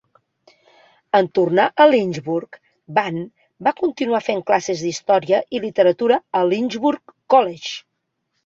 En tornar a Lynchburg, Van va continuar fent classes d'història i literatura a Lynchburg College.